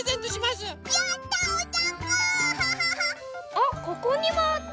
あっここにもあった！